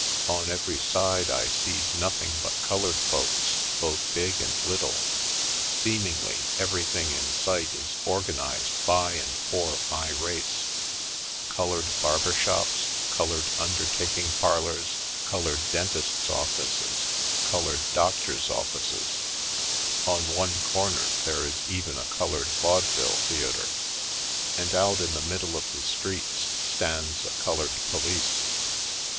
On every side I sees nothing but colored folks, both big and little. Seemingly, everything in oight is organized by and for my race — colored barber shops, colored undertaking parlors, colored dentists' offces, colored doctors' I i Harlem Heights 71 offices. On one corner there is even a colored vaudeville theatre. And out in the middle of the streets stands a colored police.